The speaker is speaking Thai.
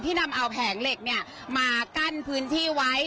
ที่นำเอาแผงเหล็กเนี่ยมากั้นพื้นที่ไว้